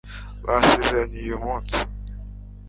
basezeranye uyu munsi